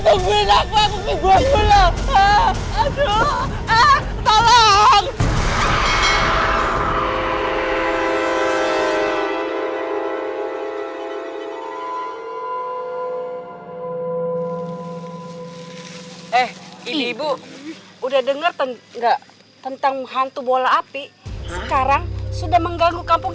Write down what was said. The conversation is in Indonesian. eh ibu ibu udah denger tentu enggak tentang hantu bola api sekarang sudah mengganggu kampung